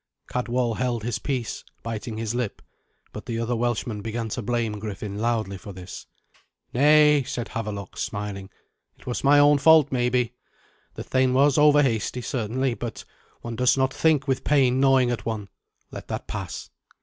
Cadwal held his peace, biting his lip, but the other Welshman began to blame Griffin loudly for this. "Nay," said Havelok, smiling; "it was my own fault maybe. The thane was overhasty certainly, but one does not think with pain gnawing at one. Let that pass.